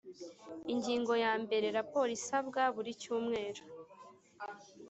Ingingo ya mbere Raporo isabwa buri cyumweru